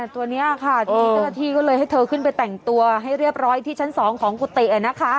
ตัวนี้ค่ะที่เจ้าหน้าที่ก็เลยให้เธอขึ้นไปแต่งตัวให้เรียบร้อยที่ชั้น๒ของกุฏิ